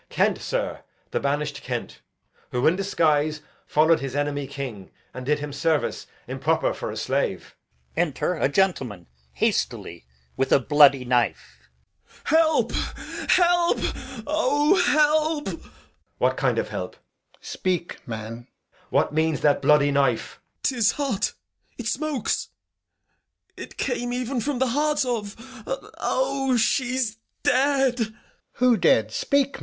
Edg. Kent, sir, the banish'd Kent; who in disguise Followed his enemy king and did him service Improper for a slave. Enter a Gentleman with a bloody knife. Gent. Help, help! O, help! Edg. What kind of help? Alb. Speak, man. Edg. What means that bloody knife? Gent. 'Tis hot, it smokes. It came even from the heart of O! she's dead! Alb. Who dead? Speak, man.